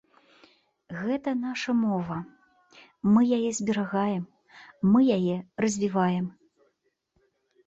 Гэта наша мова, мы яе зберагаем, мы яе развіваем.